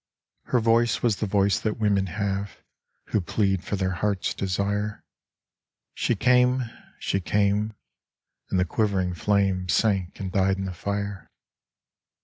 Her voice was the voice that women have, Who plead for their heart's desire. She came she came and the quivering flame Sank and died in the fire.